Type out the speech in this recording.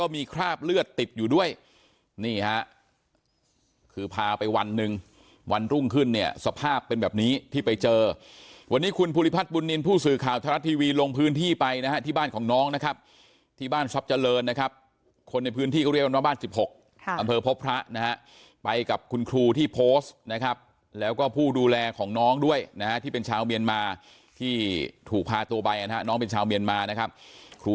มีคราบเลือดติดอยู่ด้วยนี่ฮะคือพาไปวันหนึ่งวันรุ่งขึ้นเนี่ยสภาพเป็นแบบนี้ที่ไปเจอวันนี้คุณภูริพัฒน์บุญนินทร์ผู้สื่อข่าวทะลัดทีวีลงพื้นที่ไปนะที่บ้านของน้องนะครับที่บ้านชอบเจริญนะครับคนในพื้นที่ก็เรียกว่าบ้าน๑๖อำเภอพบพระนะฮะไปกับคุณครูที่โพสต์นะครับแล้วก็ผู้ดูแลข